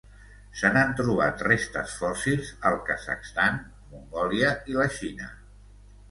Se n'han trobat restes fòssils al Kazakhstan, Mongòlia i la Xina.